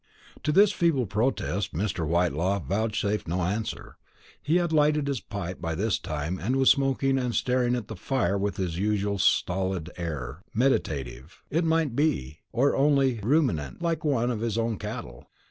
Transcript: To this feeble protest Mr. Whitelaw vouchsafed no answer. He had lighted his pipe by this time, and was smoking and staring at the fire with his usual stolid air meditative, it might be, or only ruminant, like one of his own cattle.